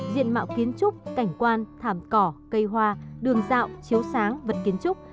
diện mạo kiến trúc cảnh quan thảm cỏ cây hoa đường dạo chiếu sáng vật kiến trúc